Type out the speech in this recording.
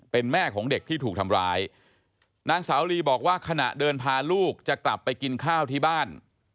เป็นแม่ของเด็กที่ถูกทำร้ายนางสาวลีบอกว่าขณะเดินพาลูกจะกลับไปกินข้าวที่บ้าน